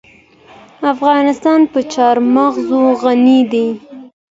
افغانستان په چار مغز غني دی.